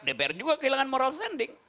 dpr juga kehilangan moral standing